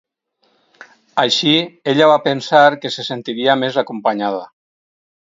Així, ella va pensar que se sentiria més acompanyada.